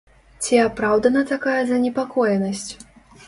Ці апраўдана такая занепакоенасць?